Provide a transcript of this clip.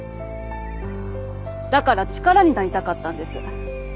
だから力になりたかったんです。